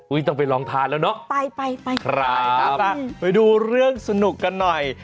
ต้องไปลองทานแล้วเนอะไปไปใครครับอ่ะไปดูเรื่องสนุกกันหน่อย